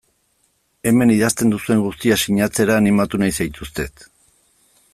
Hemen idazten duzuen guztia sinatzera animatu nahi zaituztet.